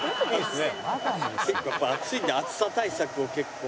やっぱ暑いんで暑さ対策を結構。